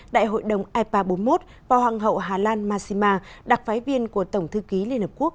đại hội đồng ipa bốn mươi một và hoàng hậu hà lan massima đặc phái viên của tổng thư ký liên hợp quốc